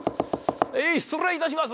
へい失礼いたします！